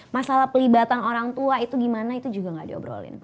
masalah pelibatan orang tua itu gimana itu juga gak diobrolin